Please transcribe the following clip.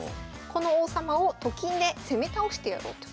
この王様をと金で攻め倒してやろうと。